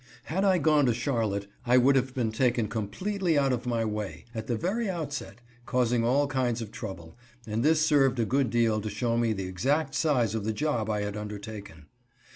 Had I gone to Charlotte I would have been taken completely out of my way, at the very outset, causing all kinds of trouble, and this served a good deal to show me the exact size of the job I had undertaken.